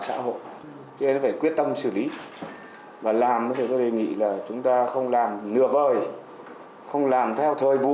có những biện pháp mạnh mẽ để xử lý các nhà mạng vi phạm việc thu hồi sim